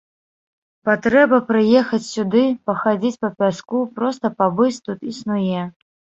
Патрэба прыехаць сюды, пахадзіць па пяску, проста пабыць тут, існуе.